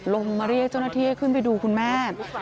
ลงมาเรียกเจ้าหน้าที่ให้ขึ้นไปดูคุณแม่